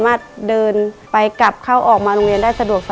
ในแคมเปญพิเศษเกมต่อชีวิตโรงเรียนของหนู